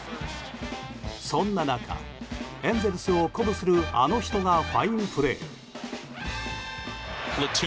そんな中、エンゼルスを鼓舞するあの人がファインプレー。